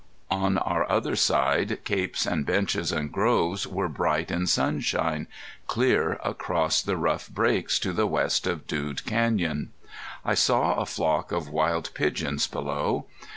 On our other side capes and benches and groves were bright in sunshine, clear across the rough breaks to the west wall of Dude Canyon. I saw a flock of wild pigeons below.